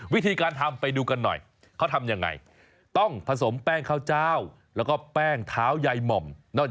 วิธีการทำไปดูกันหน่อยเขาทำยังไงต้องผสมแป้งข้าวเจ้าแล้วก็แป้งเท้ายายหม่อมนอกจาก